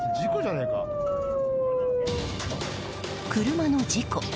車の事故。